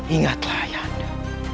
ingatlah ayah anda